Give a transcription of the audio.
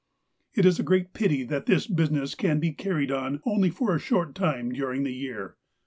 It is a great pity that this business can be carried on only for a short time during the year.